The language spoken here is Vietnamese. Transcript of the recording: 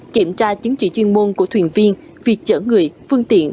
kiểm tra chứng chỉ chuyên môn của thuyền viên việc chở người phương tiện